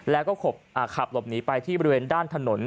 แล้วก็ขับหลบหนีไปที่บริเวณด้านถนน